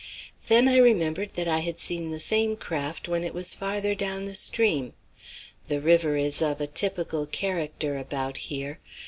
Then I remembered that I had seen the same craft when it was farther down the stream. The river is of a typical character about here.